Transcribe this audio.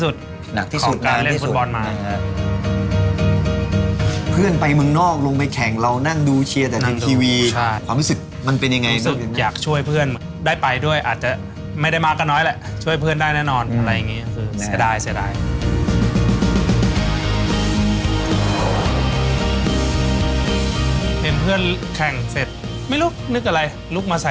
เจ็บที่นานยาวที่สุดหนักที่สุดของการเล่นฟุตบอลมา